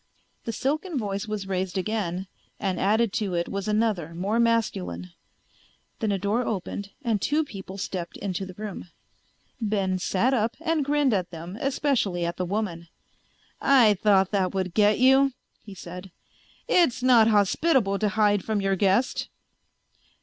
The silken voice was raised again and added to it was another, more masculine. Then a door opened and two people stepped into the room. Ben sat up and grinned at them, especially at the woman. "I thought that would get you," he said. "It's not hospitable to hide from your guest."